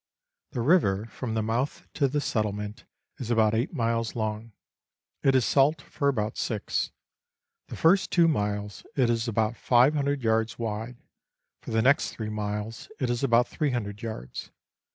The river, from the mouth to the settlement, is about eight miles long ; it is salt for about six. The first two miles, it is about 500 yards wide ; for the next three miles, it is about 300 yards.